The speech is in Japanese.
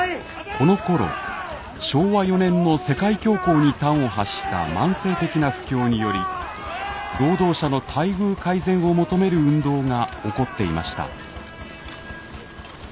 このころ昭和４年の世界恐慌に端を発した慢性的な不況により労働者の待遇改善を求める運動が起こっていました。